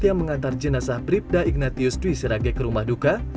yang mengantar jenazah bribda ignatius dwi sirage ke rumah duka